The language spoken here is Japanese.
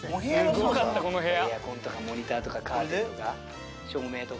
エアコンとかモニターとかカーテンとか照明とか。